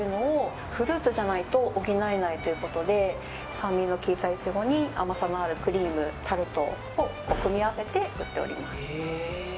酸味の効いたイチゴに甘さのあるクリーム、タルトを組み合わせて作っております。